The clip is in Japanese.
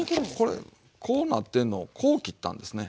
これこうなってんのをこう切ったんですね。